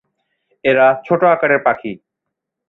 এরা ছোট আকারের পাখি।